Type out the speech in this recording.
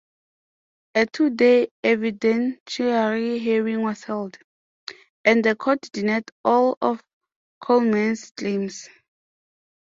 A two-day evidentiary hearing was held, and the court denied all of Coleman's claims.